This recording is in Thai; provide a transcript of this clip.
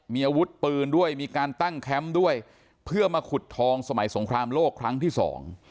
มีอาวุธปืนด้วยมีการตั้งแคมป์ด้วยเพื่อมาขุดทองสมัยสงครามโลกครั้งที่สอง